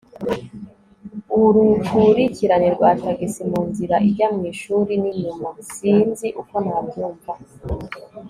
urukurikirane rwa tagisi munzira ijya mwishuri ninyuma. sinzi uko nabyumva